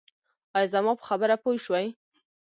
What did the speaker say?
ایا زما په خبره پوه شوئ؟